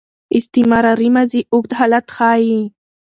استمراري ماضي اوږد حالت ښيي.